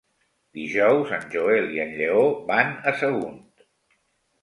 Dijous en Joel i en Lleó van a Sagunt.